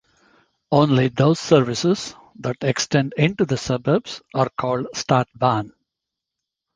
Only those services that extend into the suburbs are called Stadtbahn.